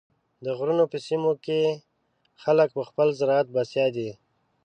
د غرونو په سیمو کې خلک په خپل زراعت بسیا دي.